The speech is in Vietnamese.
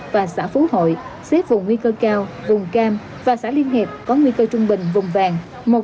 và xã phú hội xếp vùng nguy cơ cao vùng cam và xã liên hiệp có nguy cơ trung bình vùng vàng